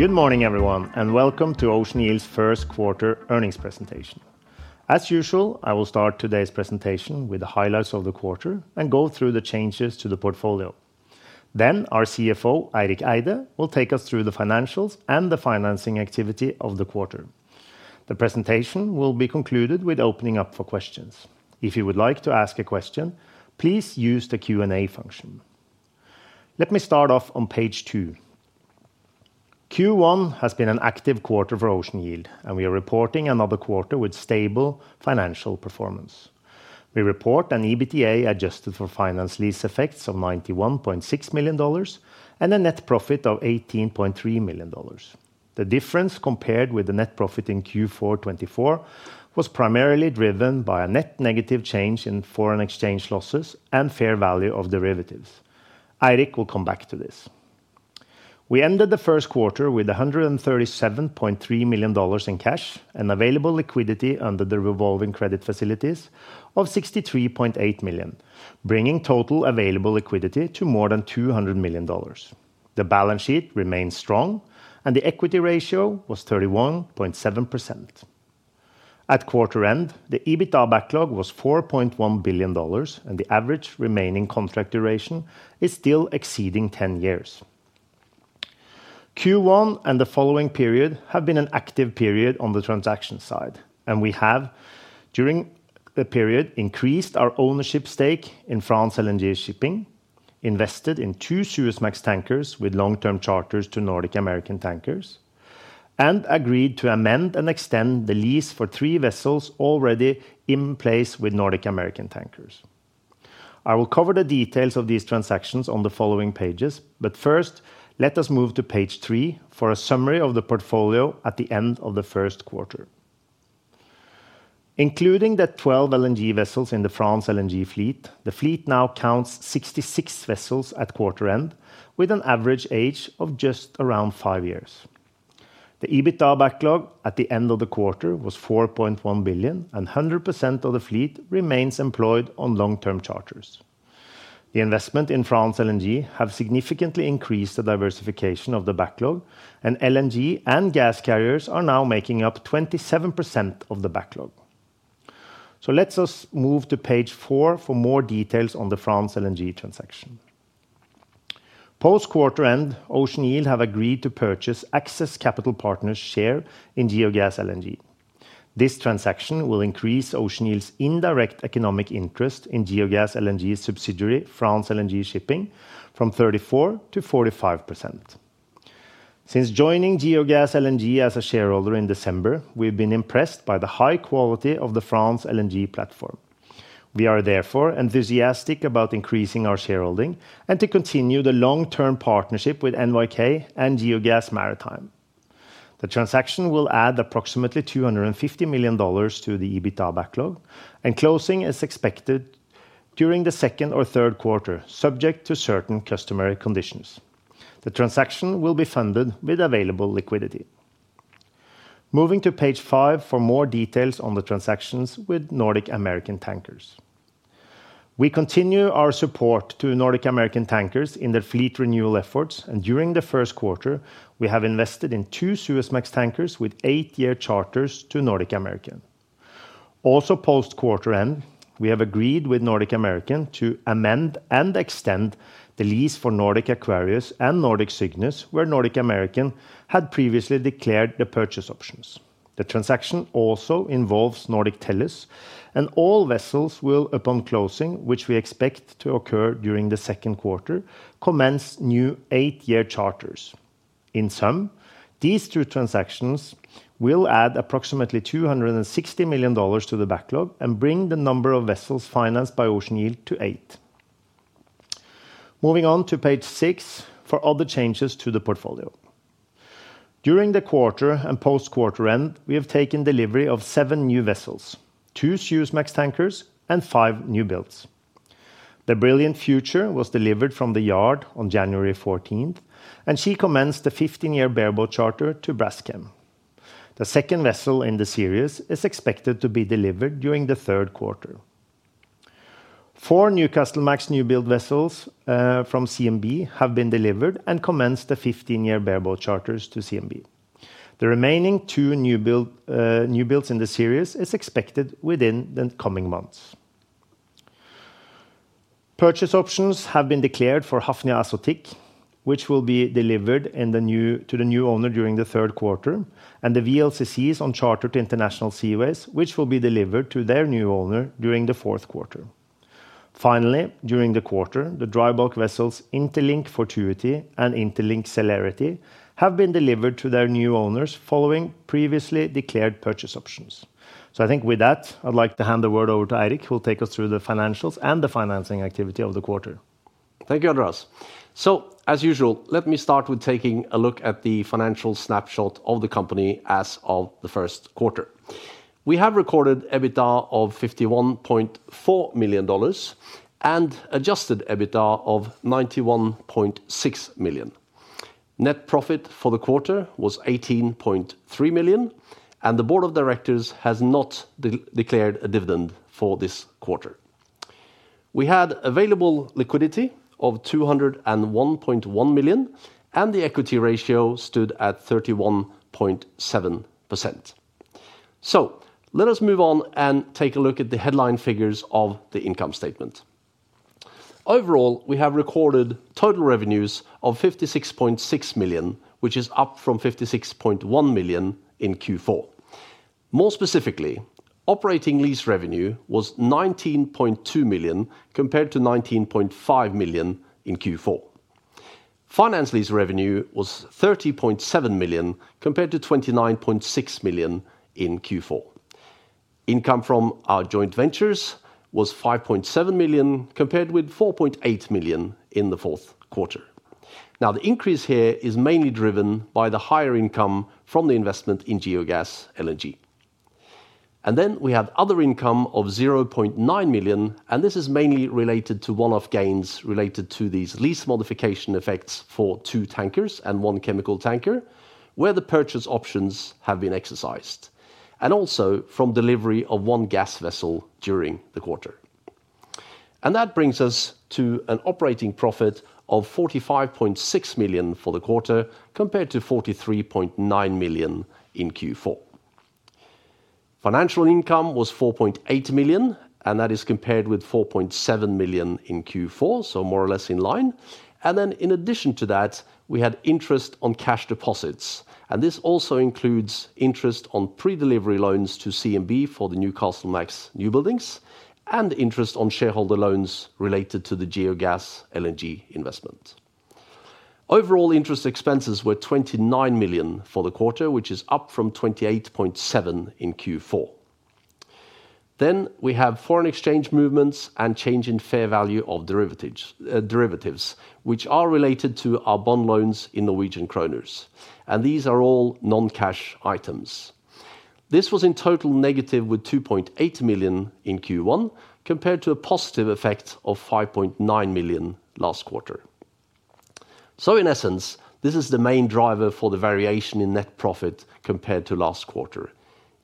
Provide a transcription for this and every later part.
Good morning, everyone, and welcome to Ocean Yield's first quarter earnings presentation. As usual, I will start today's presentation with the highlights of the quarter and go through the changes to the portfolio. Then our CFO, Eirik Eide, will take us through the financials and the financing activity of the quarter. The presentation will be concluded with opening up for questions. If you would like to ask a question, please use the Q&A function. Let me start off on page two. Q1 has been an active quarter for Ocean Yield, and we are reporting another quarter with stable financial performance. We report an EBITDA adjusted for finance lease effects of $91.6 million and a net profit of $18.3 million. The difference compared with the net profit in Q4 2024 was primarily driven by a net negative change in foreign exchange losses and fair value of derivatives. Eirik will come back to this. We ended the first quarter with $137.3 million in cash and available liquidity under the revolving credit facilities of $63.8 million, bringing total available liquidity to more than $200 million. The balance sheet remained strong, and the equity ratio was 31.7%. At quarter end, the EBITDA backlog was $4.1 billion, and the average remaining contract duration is still exceeding 10 years. Q1 and the following period have been an active period on the transaction side, and we have, during the period, increased our ownership stake in France LNG Shipping, invested in two Suezmax tankers with long-term charters to Nordic American Tankers, and agreed to amend and extend the lease for three vessels already in place with Nordic American Tankers. I will cover the details of these transactions on the following pages, but first, let us move to page three for a summary of the portfolio at the end of the first quarter. Including the 12 LNG vessels in the France LNG fleet, the fleet now counts 66 vessels at quarter end, with an average age of just around five years. The EBITDA backlog at the end of the quarter was $4.1 billion, and 100% of the fleet remains employed on long-term charters. The investment in France LNG has significantly increased the diversification of the backlog, and LNG and gas carriers are now making up 27% of the backlog. Let us move to page four for more details on the France LNG transaction. Post quarter end, Ocean Yield have agreed to purchase Access Capital Partners' share in Geogas LNG. This transaction will increase Ocean Yield's indirect economic interest in Geogas LNG's subsidiary, France LNG Shipping, from 34% to 45%. Since joining Geogas LNG as a shareholder in December, we've been impressed by the high quality of the France LNG platform. We are therefore enthusiastic about increasing our shareholding and to continue the long-term partnership with NYK and Geogas Maritime. The transaction will add approximately $250 million to the EBITDA backlog, and closing is expected during the second or third quarter, subject to certain customary conditions. The transaction will be funded with available liquidity. Moving to page five for more details on the transactions with Nordic American Tankers. We continue our support to Nordic American Tankers in their fleet renewal efforts, and during the first quarter, we have invested in two Suezmax tankers with eight-year charters to Nordic American. Also, post quarter end, we have agreed with Nordic American to amend and extend the lease for Nordic Aquarius and Nordic Cygnus, where Nordic American had previously declared the purchase options. The transaction also involves Nordic Tellus, and all vessels will, upon closing, which we expect to occur during the second quarter, commence new eight-year charters. In sum, these two transactions will add approximately $260 million to the backlog and bring the number of vessels financed by Ocean Yield to eight. Moving on to page six for other changes to the portfolio. During the quarter and post quarter end, we have taken delivery of seven new vessels, two Suezmax tankers, and five new builds. The Brilliant Future was delivered from the yard on January 14, and she commenced the 15-year bareboat charter to Braskem. The second vessel in the series is expected to be delivered during the third quarter. Four Newcastle Max newbuild vessels from CMB have been delivered and commence the 15-year bareboat charters to CMB. The remaining two newbuilds in the series are expected within the coming months. Purchase options have been declared for Hafnia Azotic, which will be delivered to the new owner during the third quarter, and the VLCCs on charter to International Seaways, which will be delivered to their new owner during the fourth quarter. Finally, during the quarter, the dry bulk vessels Interlink Fortuity and Interlink Celerity have been delivered to their new owners following previously declared purchase options. I think with that, I'd like to hand the word over to Eirik, who will take us through the financials and the financing activity of the quarter. Thank you, Andreas. As usual, let me start with taking a look at the financial snapshot of the company as of the first quarter. We have recorded EBITDA of $51.4 million and adjusted EBITDA of $91.6 million. Net profit for the quarter was $18.3 million, and the Board of Directors has not declared a dividend for this quarter. We had available liquidity of $201.1 million, and the equity ratio stood at 31.7%. Let us move on and take a look at the headline figures of the income statement. Overall, we have recorded total revenues of $56.6 million, which is up from $56.1 million in Q4. More specifically, operating lease revenue was $19.2 million compared to $19.5 million in Q4. Finance lease revenue was $30.7 million compared to $29.6 million in Q4. Income from our joint ventures was $5.7 million compared with $4.8 million in the fourth quarter. Now, the increase here is mainly driven by the higher income from the investment in Geogas LNG. We had other income of $0.9 million, and this is mainly related to one-off gains related to these lease modification effects for two tankers and one chemical tanker, where the purchase options have been exercised, and also from delivery of one gas vessel during the quarter. That brings us to an operating profit of $45.6 million for the quarter compared to $43.9 million in Q4. Financial income was $4.8 million, and that is compared with $4.7 million in Q4, so more or less in line. In addition to that, we had interest on cash deposits, and this also includes interest on pre-delivery loans to CMB for the Newcastle Max newbuildings and interest on shareholder loans related to the Geogas LNG investment. Overall interest expenses were $29 million for the quarter, which is up from $28.7 million in Q4. We have foreign exchange movements and change in fair value of derivatives, which are related to our bond loans in Norwegian kroners, and these are all non-cash items. This was in total negative with $2.8 million in Q1 compared to a positive effect of $5.9 million last quarter. In essence, this is the main driver for the variation in net profit compared to last quarter.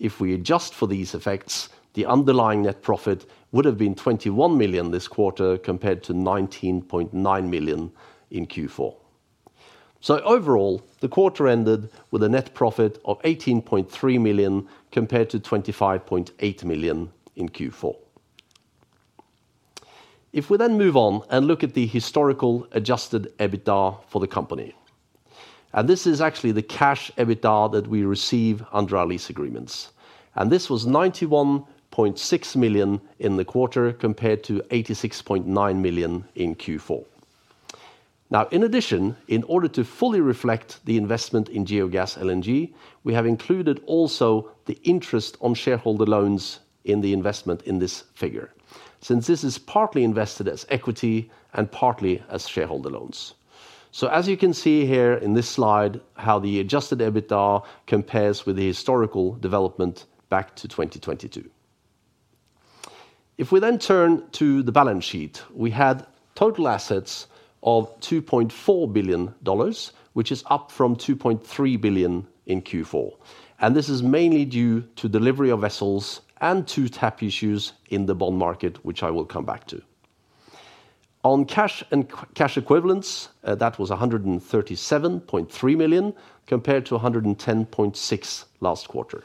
If we adjust for these effects, the underlying net profit would have been $21 million this quarter compared to $19.9 million in Q4. Overall, the quarter ended with a net profit of $18.3 million compared to $25.8 million in Q4. If we then move on and look at the historical adjusted EBITDA for the company, and this is actually the cash EBITDA that we receive under our lease agreements, and this was $91.6 million in the quarter compared to $86.9 million in Q4. Now, in addition, in order to fully reflect the investment in Geogas LNG, we have included also the interest on shareholder loans in the investment in this figure, since this is partly invested as equity and partly as shareholder loans. So as you can see here in this slide, how the adjusted EBITDA compares with the historical development back to 2022. If we then turn to the balance sheet, we had total assets of $2.4 billion, which is up from $2.3 billion in Q4, and this is mainly due to delivery of vessels and two tap issues in the bond market, which I will come back to. On cash and cash equivalents, that was $137.3 million compared to $110.6 million last quarter.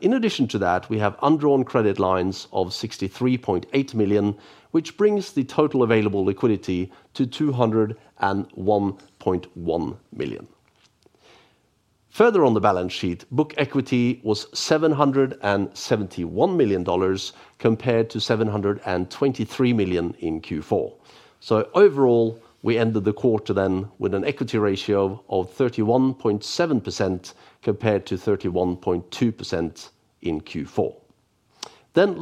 In addition to that, we have undrawn credit lines of $63.8 million, which brings the total available liquidity to $201.1 million. Further on the balance sheet, book equity was $771 million compared to $723 million in Q4. Overall, we ended the quarter then with an equity ratio of 31.7% compared to 31.2% in Q4.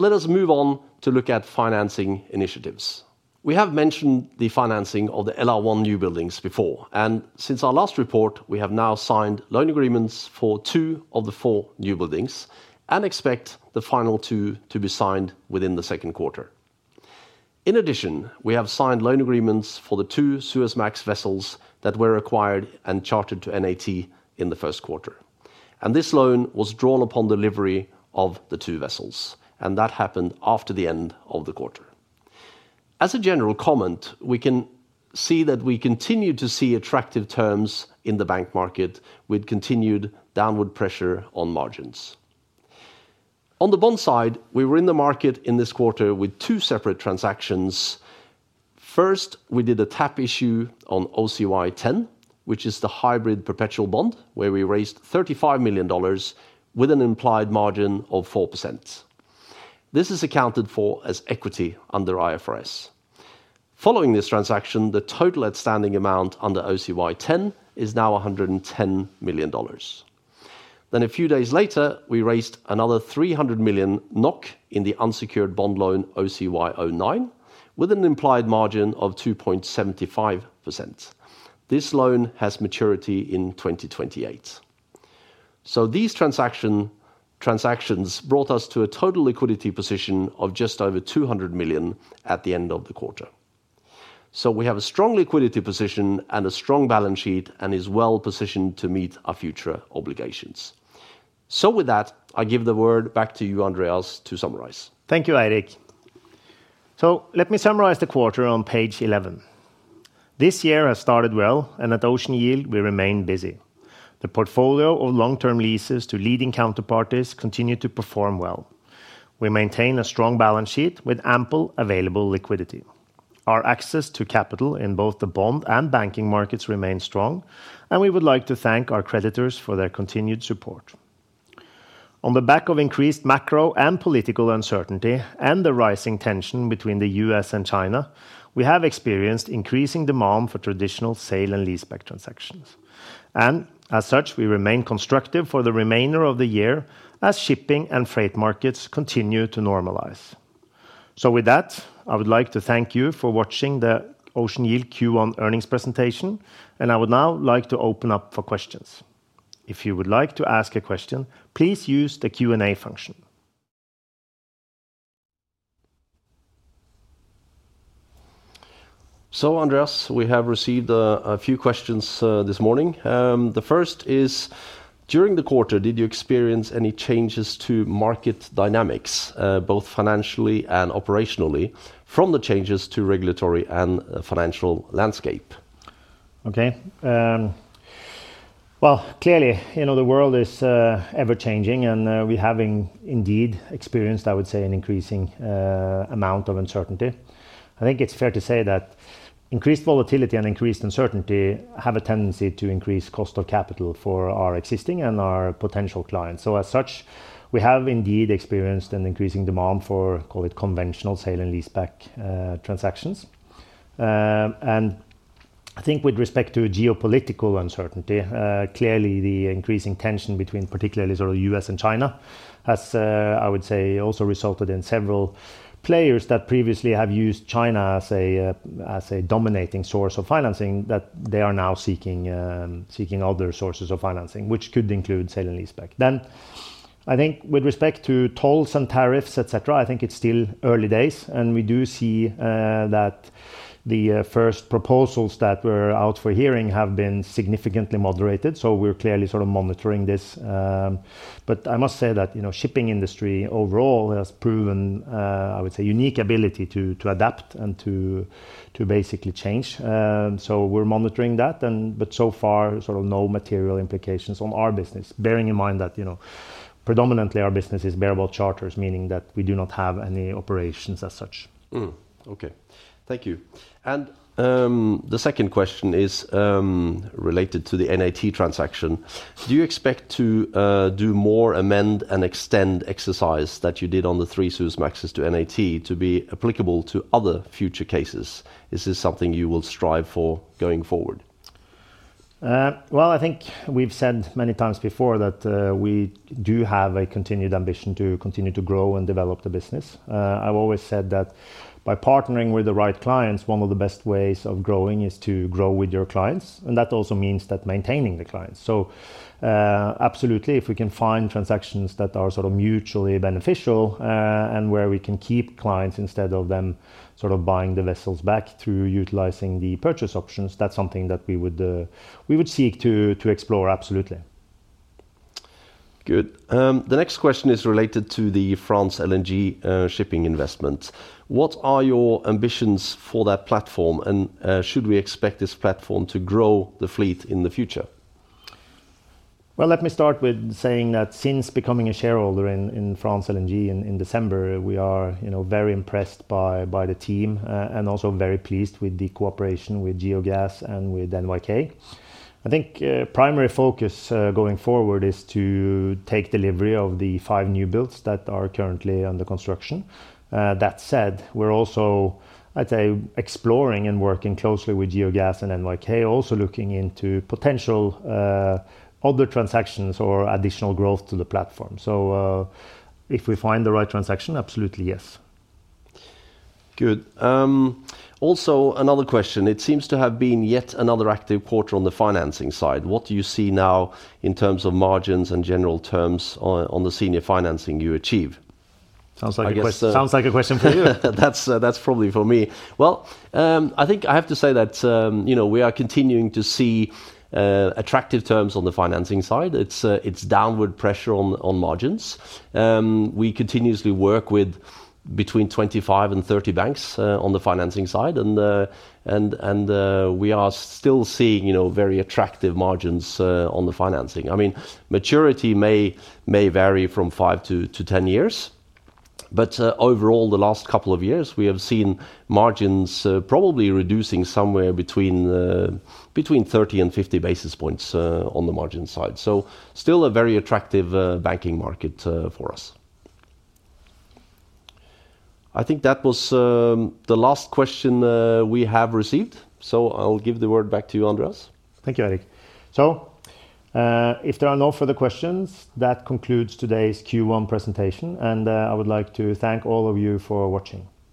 Let us move on to look at financing initiatives. We have mentioned the financing of the LR1 new buildings before, and since our last report, we have now signed loan agreements for two of the four new buildings and expect the final two to be signed within the second quarter. In addition, we have signed loan agreements for the two Suezmax vessels that were acquired and chartered to Nordic American Tankers in the first quarter, and this loan was drawn upon delivery of the two vessels, and that happened after the end of the quarter. As a general comment, we can see that we continue to see attractive terms in the bank market with continued downward pressure on margins. On the bond side, we were in the market in this quarter with two separate transactions. First, we did a tap issue on OCY10, which is the hybrid perpetual bond, where we raised $35 million with an implied margin of 4%. This is accounted for as equity under IFRS. Following this transaction, the total outstanding amount under OCY10 is now $110 million. A few days later, we raised another 300 million NOK in the unsecured bond loan OCY09 with an implied margin of 2.75%. This loan has maturity in 2028. These transactions brought us to a total liquidity position of just over $200 million at the end of the quarter. We have a strong liquidity position and a strong balance sheet and are well positioned to meet our future obligations. With that, I give the word back to you, Andreas, to summarize. Thank you, Eirik. Let me summarize the quarter on page 11. This year has started well, and at Ocean Yield, we remain busy. The portfolio of long-term leases to leading counterparties continued to perform well. We maintain a strong balance sheet with ample available liquidity. Our access to capital in both the bond and banking markets remains strong, and we would like to thank our creditors for their continued support. On the back of increased macro and political uncertainty and the rising tension between the U.S. and China, we have experienced increasing demand for traditional sale and leaseback transactions. As such, we remain constructive for the remainder of the year as shipping and freight markets continue to normalize. With that, I would like to thank you for watching the Ocean Yield Q1 earnings presentation, and I would now like to open up for questions. If you would like to ask a question, please use the Q&A function. Andreas, we have received a few questions this morning. The first is, during the quarter, did you experience any changes to market dynamics, both financially and operationally, from the changes to regulatory and financial landscape? Okay. Clearly, you know the world is ever-changing, and we have indeed experienced, I would say, an increasing amount of uncertainty. I think it's fair to say that increased volatility and increased uncertainty have a tendency to increase cost of capital for our existing and our potential clients. As such, we have indeed experienced an increasing demand for, call it, conventional sale and leaseback transactions. I think with respect to geopolitical uncertainty, clearly, the increasing tension between particularly sort of U.S. and China has, I would say, also resulted in several players that previously have used China as a dominating source of financing that they are now seeking other sources of financing, which could include sale and leaseback. I think with respect to tolls and tariffs, etc., I think it's still early days, and we do see that the first proposals that were out for hearing have been significantly moderated. We are clearly sort of monitoring this. I must say that shipping industry overall has proven, I would say, unique ability to adapt and to basically change. We are monitoring that, but so far, sort of no material implications on our business, bearing in mind that predominantly our business is bareboat charters, meaning that we do not have any operations as such. Okay. Thank you. The second question is related to the NAT transaction. Do you expect to do more amend and extend exercise that you did on the three Suezmaxes to NAT to be applicable to other future cases? Is this something you will strive for going forward? I think we've said many times before that we do have a continued ambition to continue to grow and develop the business. I've always said that by partnering with the right clients, one of the best ways of growing is to grow with your clients, and that also means maintaining the clients. Absolutely, if we can find transactions that are sort of mutually beneficial and where we can keep clients instead of them sort of buying the vessels back through utilizing the purchase options, that's something that we would seek to explore, absolutely. Good. The next question is related to the France LNG Shipping investment. What are your ambitions for that platform, and should we expect this platform to grow the fleet in the future? Let me start with saying that since becoming a shareholder in France LNG in December, we are very impressed by the team and also very pleased with the cooperation with Geogas and with NYK. I think primary focus going forward is to take delivery of the five new builds that are currently under construction. That said, we're also, I'd say, exploring and working closely with Geogas and NYK, also looking into potential other transactions or additional growth to the platform. If we find the right transaction, absolutely, yes. Good. Also, another question. It seems to have been yet another active quarter on the financing side. What do you see now in terms of margins and general terms on the senior financing you achieve? Sounds like a question. Sounds like a question for you. That's probably for me. I think I have to say that we are continuing to see attractive terms on the financing side. It's downward pressure on margins. We continuously work with between 25 and 30 banks on the financing side, and we are still seeing very attractive margins on the financing. I mean, maturity may vary from five to ten years, but overall, the last couple of years, we have seen margins probably reducing somewhere between 30 and 50 basis points on the margin side. Still a very attractive banking market for us. I think that was the last question we have received, so I'll give the word back to you, Andreas. Thank you, Eirik. If there are no further questions, that concludes today's Q1 presentation, and I would like to thank all of you for watching.